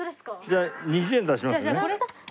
じゃあ２０円出しますね。